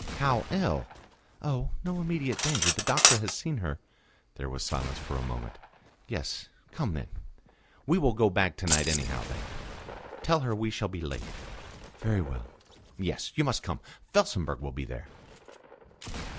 "How ill?" "Oh, no immediate danger. The doctor has seen her." There was silence for a moment. "Yes; come then. We will go back to night anyhow, then. Tell her we shall be late." "Very well." "... Yes, you must come. Felsenburgh will be there."